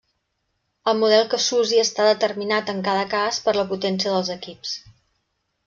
El model que s'usi està determinat en cada cas per la potència dels equips.